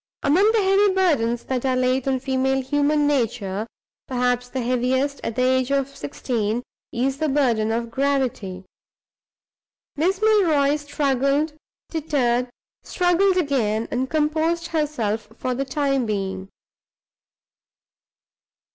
Among the heavy burdens that are laid on female human nature, perhaps the heaviest, at the age of sixteen, is the burden of gravity. Miss Milroy struggled, tittered, struggled again, and composed herself for the time being.